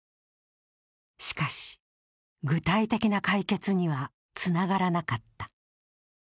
しかし、具体的な解決にはつながらなかった。